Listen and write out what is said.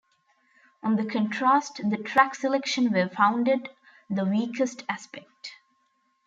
On the contrast the track selection were founded the weakest aspect.